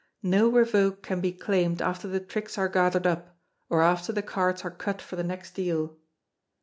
No revoke can be claimed after the tricks are gathered up, or after the cards are cut for the next deal.